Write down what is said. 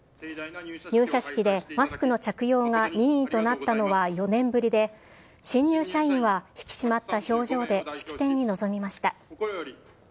入社式でマスクの着用が任意となったのは４年ぶりで、新入社員は引き締まった表情で式典に臨みました。